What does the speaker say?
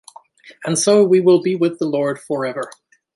And so we will be with the Lord forever.